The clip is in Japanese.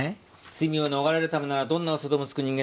罪を逃れるためならどんな嘘でもつく人間